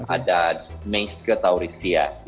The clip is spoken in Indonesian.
ada mace ke taurisia